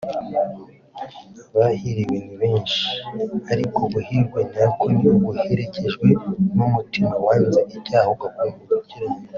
“Abahiriwe ni benshi ariko guhirwa nyako ni uguherekejwe n’umutima wanze icyaha ugakunda gukiranuka”